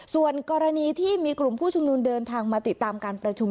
ส่วนกรณีที่มีกลุ่มผู้ชุมนุมเดินทางมาติดตามการประชุม